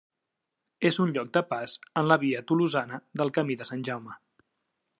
És un lloc de pas en la Via Tolosana del Camí de Sant Jaume.